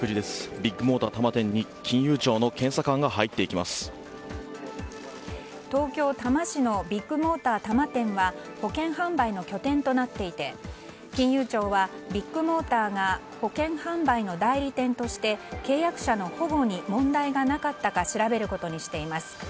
ビッグモーター多摩店に東京・多摩市のビッグモーター多摩店は保険販売の拠点となっていて金融庁はビッグモーターが保険販売の代理店として契約者の保護に問題がなかったか調べることにしています。